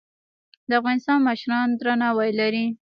د افغانستان مشران درناوی لري